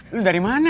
lu dari mana